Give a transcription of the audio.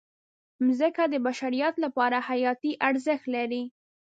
مځکه د بشریت لپاره حیاتي ارزښت لري.